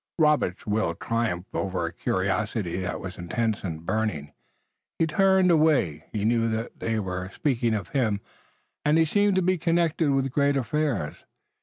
Robert's will triumphed over a curiosity that was intense and burning, and he turned away. He knew they were speaking of him, and he seemed to be connected with great affairs.